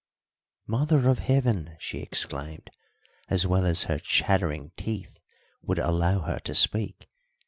"Mother of Heaven!" she exclaimed, as well as her chattering teeth would allow her to speak.